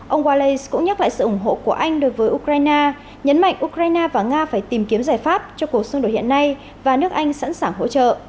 ôngwales cũng nhắc lại sự ủng hộ của anh đối với ukraine nhấn mạnh ukraine và nga phải tìm kiếm giải pháp cho cuộc xung đột hiện nay và nước anh sẵn sàng hỗ trợ